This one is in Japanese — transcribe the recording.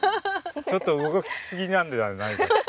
ちょっと動きすぎなんじゃないかって。